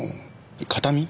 形見？